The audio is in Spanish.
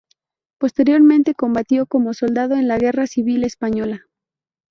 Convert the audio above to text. Posteriormente combatió como soldado en la Guerra Civil Española.